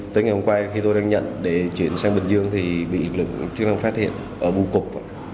tới ngày hôm qua khi tôi đang nhận để chuyển sang bình dương thì bị lực lượng chức năng phát hiện ở bù cục